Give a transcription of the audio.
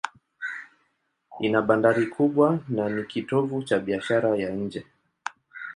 Ina bandari kubwa na ni kitovu cha biashara ya nje.